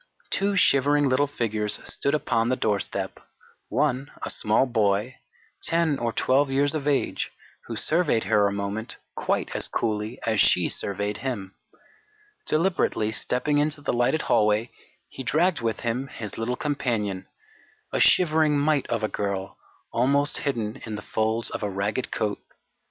Two shivering little figures stood upon the doorstep, one a small boy, 10 or 12 years of age, who surveyed her a moment quite as coolly as she surveyed him. Deliberately stepping into the lighted hallway, he dragged with him his little companion, a shivering mite of a girl, almost hidden in the folds of a ragged coat.